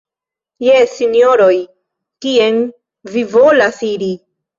Jes, Sinjoroj, kien vi volas iri?